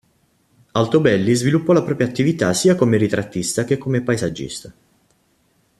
Altobelli sviluppò la propria attività sia come ritrattista che come paesaggista.